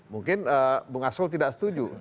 mungkin bung asrul tidak setuju